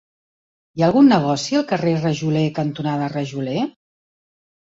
Hi ha algun negoci al carrer Rajoler cantonada Rajoler?